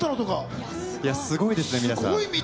すごいですね、皆さん。